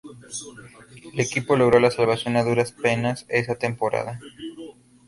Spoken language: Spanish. El equipo logró la salvación a duras penas esa temporada.